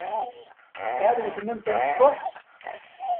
Tesɛiḍ weltma-m tamecṭuḥt?